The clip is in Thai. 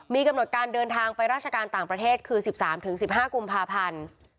มีกำหนดการเดินทางไปราชการต่างประเทศคือ๑๓๑๕กุมภาพันธ์